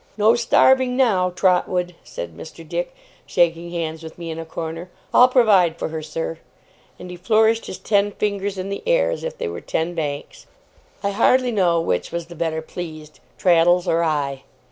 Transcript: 'No starving now, Trotwood,' said Mr. Dick, shaking hands with me in a corner. 'I'll provide for her, Sir!' and he flourished his ten fingers in the air, as if they were ten banks. I hardly know which was the better pleased, Traddles or I.